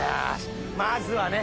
まずはね！